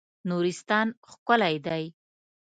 نورستان ښکلی دی.